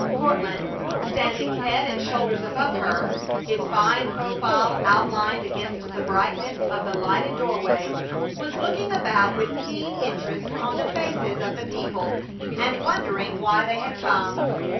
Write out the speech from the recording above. Courtland, standing head and shoulders above her, his fine profile outlined against the brightness of the lighted doorway, was looking about with keen interest on the faces of the people, and wondering why they had come.